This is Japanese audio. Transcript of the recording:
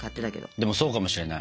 でもそうかもしれない。